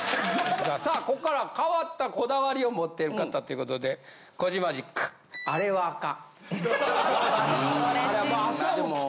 さあこっから変わったこだわりを持ってる方ということでコジマジックあれはアカン。